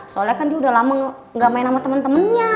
soalnya kan dia udah lama gak main sama temen temennya